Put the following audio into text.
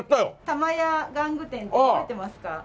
多摩屋玩具店って覚えてますか？